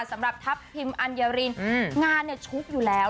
สำหรับทัพทิมอัญญารินงานเนี่ยชุกอยู่แล้ว